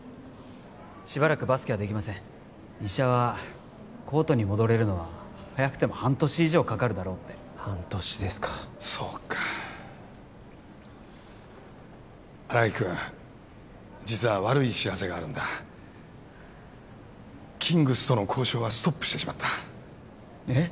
しばらくバスケはできません医者はコートに戻れるのは早くても半年以上かかるだろうって半年ですかそうか新垣君実は悪い知らせがあるんだキングスとの交渉はストップしてしまったえっ？